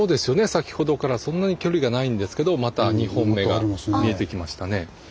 先ほどからそんなに距離がないんですけどまた２本目が見えてきましたね。